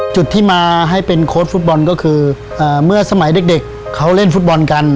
จุดที่มาให้เป็นโค้ชฟุตบอลก็คือเมื่อสมัยเด็กเขาเล่นฟุตบอลกัน